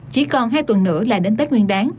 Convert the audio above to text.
chỉ còn hai tuần nữa là đến tết nguyên đáng